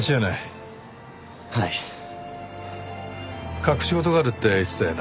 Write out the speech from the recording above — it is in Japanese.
隠し事があるって言ってたよな。